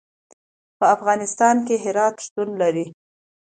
په افغانستان کې هرات شتون لري.